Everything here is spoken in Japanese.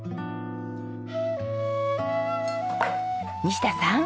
西田さん。